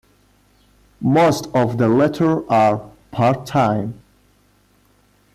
Most of the latter are part-time.